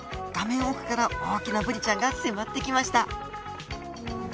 画面奥から大きなブリちゃんが迫ってきました